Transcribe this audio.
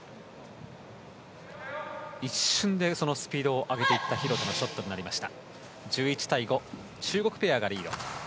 一瞬でスピードを上げていった廣田のショットになりました。